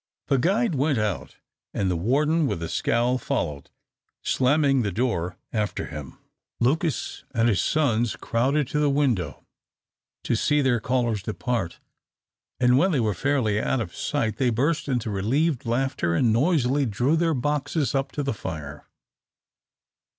The guide went out, and the warden with a scowl followed, slamming the door after him. Lucas and his sons crowded to the window to see their callers depart, and when they were fairly out of sight, they burst into relieved laughter, and noisily drew their boxes up to the fire.